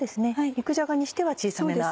肉じゃがにしては小さめな。